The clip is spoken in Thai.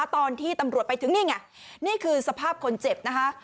ตอนที่ตำรวจไปถึงนี่ไงนี่คือสภาพคนเจ็บนะคะ